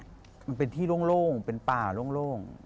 มันเป็นที่โล่งเป็นป่าโล่ง